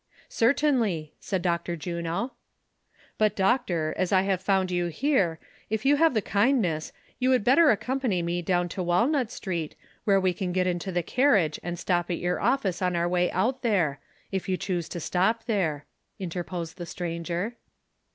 "Certainly," said Dr. Juno. " But, d icior, as I liave found you here, if you have the kindness, you would better accompany me down to Walnut street, where we can get into the carriage, and stop at your office on our Avay out there, if you choo. :e. to stop ti.ro," interposed the stranger.